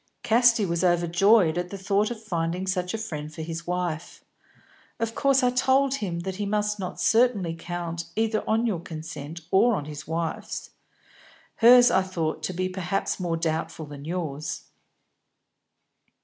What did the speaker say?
"Casti was overjoyed at the thought of finding such a friend for his wife. Of course I told him that he must not certainly count either on your consent or on his wife's. Hers I thought to be perhaps more doubtful than yours."